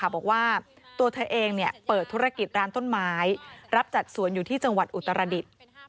บอกว่าตัวเธอเองเปิดธุรกิจร้านต้นไม้รับจัดสวนอยู่ที่จังหวัดอุตรดิษฐ์